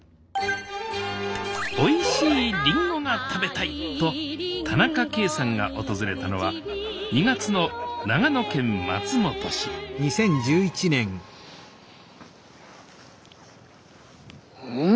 おいしいりんごが食べたいと田中圭さんが訪れたのは２月の長野県松本市うん！